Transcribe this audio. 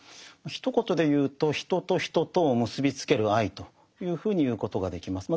ひと言で言うと人と人とを結びつける愛というふうに言うことができます。